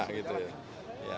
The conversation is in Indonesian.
ya gitu ya